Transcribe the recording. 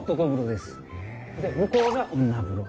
で向こうが女風呂。